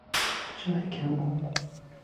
چاه کم عمق